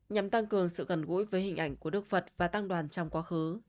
nhằm tăng cường sự gần gũi với hình ảnh của đức phật và tăng đoàn trong quá khứ